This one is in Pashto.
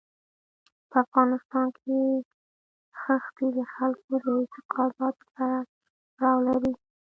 په افغانستان کې ښتې د خلکو د اعتقاداتو سره تړاو لري.